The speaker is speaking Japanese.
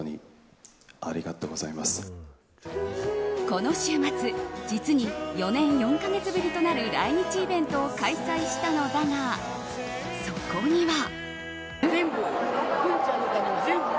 この週末実に４年４か月ぶりとなる来日イベントを開催したのだがそこには。